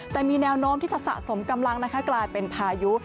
แต่มีแนวโน้มที่จะสะสมกำลังกลายเป็นพายุ